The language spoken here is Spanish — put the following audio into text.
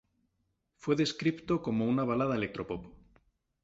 Fue descripto como una balada electropop.